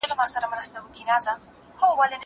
زه درسونه نه لوستل کوم!